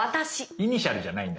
イニシャルじゃないんだ。